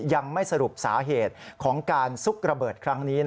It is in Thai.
ยังไม่สรุปสาเหตุของการซุกระเบิดครั้งนี้